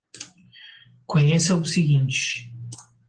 Conheça o seguinte